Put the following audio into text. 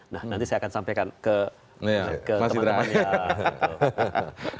nah nanti saya akan sampaikan ke teman temannya